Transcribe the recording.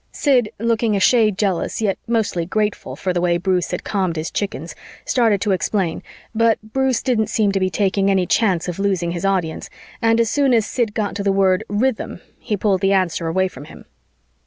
Sid, looking a shade jealous, yet mostly grateful for the way Bruce had calmed his chickens, started to explain, but Bruce didn't seem to be taking any chance of losing his audience, and as soon as Sid got to the word "rhythm," he pulled the answer away from him.